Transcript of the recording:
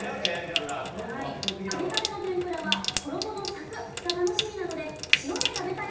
揚げたての天ぷらは衣のサクッが楽しみなので塩で食べたい！